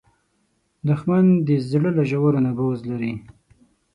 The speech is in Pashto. دښمن د زړه له ژورو نه بغض لري